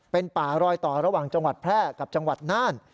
เป็นป่ารอยต่อระหว่างจังหวัดแพร่กับจังหวัดน่าน